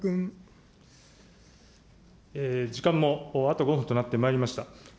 時間もあと５分となってまいりました。